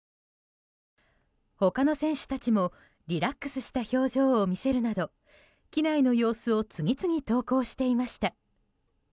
他の選手たちもリラックスした表情を見せるなど機内の様子を次々投稿していました。